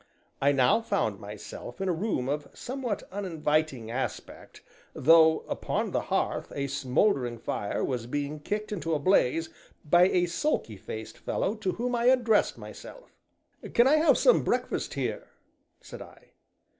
I now found myself in a room of somewhat uninviting aspect, though upon the hearth a smouldering fire was being kicked into a blaze by a sulky faced fellow, to whom I addressed myself: "Can I have some breakfast here?" said I.